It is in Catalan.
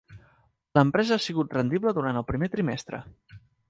L'empresa ha sigut rendible durant el primer trimestre.